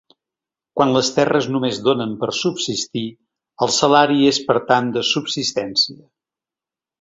Quan les terres només donen per subsistir, el salari és per tant de subsistència.